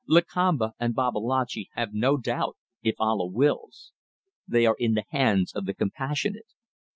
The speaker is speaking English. Lakamba and Babalatchi have no doubt if Allah wills. They are in the hands of the Compassionate.